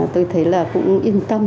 tôi thấy là cũng yên tâm